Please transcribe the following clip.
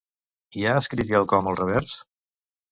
Hi ha escrit quelcom al revers?